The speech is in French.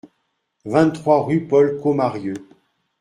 vingt-trois rue Paul Commarieu